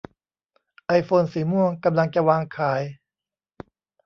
ไอโฟนสีม่วงกำลังจะวางขาย